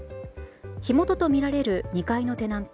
火元とみられる２階のテナント